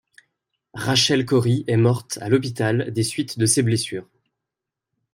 Rachel Corrie est morte à l'hôpital des suites de ses blessures.